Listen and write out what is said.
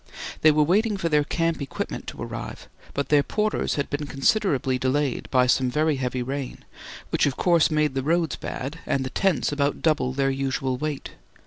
They were waiting for their camp equipment to arrive, but their porters had been considerably delayed by some very heavy rain, which of course made the roads bad and the tents about double their usual weight.